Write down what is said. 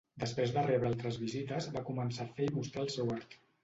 Després de rebre altres visites, va començar a fer i mostrar el seu art.